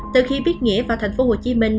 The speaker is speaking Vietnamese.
từ khi biết nghĩa vào thành phố hồ chí minh